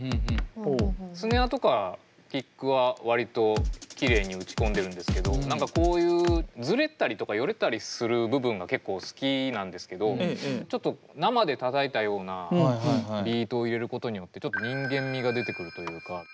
スネアとかキックは割ときれいに打ち込んでるんですけど何かこういうズレたりとかヨレたりする部分が結構好きなんですけどちょっと生でたたいたようなビートを入れることによってちょっと人間味が出てくるというか。